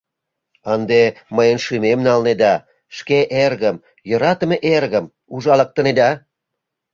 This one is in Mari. Ынде мыйын шӱмем налнеда: шке эргым, йӧратыме эргым, ужалыктынеда.